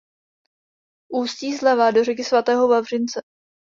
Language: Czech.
Ústí zleva do řeky svatého Vavřince.